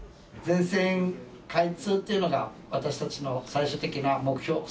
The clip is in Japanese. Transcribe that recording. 全線開通っていうのが私たちの最終的な目標。